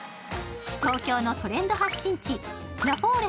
東京のトレンド発信地、ラフォーレ